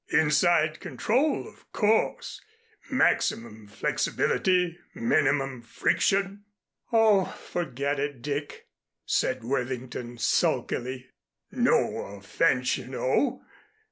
Inside control, of course, maximum flexibility, minimum friction " "Oh, forget it, Dick," said Worthington, sulkily. "No offense, you know.